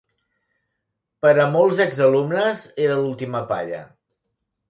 Per a molts exalumnes, era l'última palla.